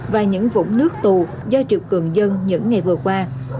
và những vũng nước tù do triệu cường dân những ngày vừa qua